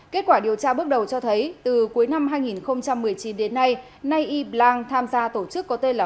kết quả điều tra bước đầu cho thấy từ cuối năm hai nghìn một mươi chín đến nay y blang tham gia tổ chức có tên là